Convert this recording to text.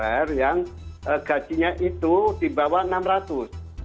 sekarang gajinya itu di bawah rp enam ratus